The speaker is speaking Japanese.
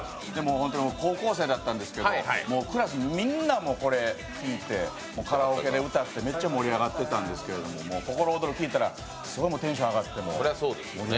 僕、高校生だったんですけどクラスのみんな、これ聴いてカラオケで歌ってめっちゃ盛り上がってたんですけど「ココロオドル」聴いたらすごいテンション上がって。